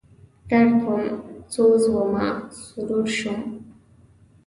درد وم، سوز ومه، سرور شوم